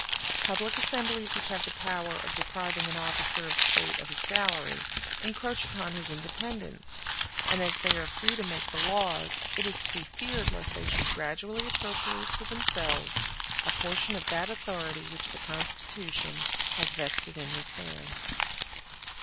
Public assemblies which have the power of depriving an officer of state of his salary encroach upon his independence; and as they are free to make the laws, it is to be feared lest they should gradually appropriate to themselves a portion of that authority which the Constitution had vested in his hands.